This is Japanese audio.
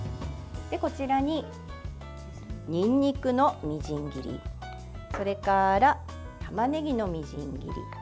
こちらに、にんにくのみじん切りそれからたまねぎのみじん切り